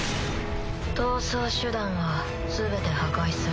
逃走手段は全て破壊する。